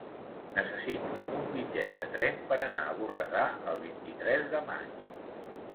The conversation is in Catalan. Necessito un bitllet de tren per anar a Borredà el vint-i-tres de maig.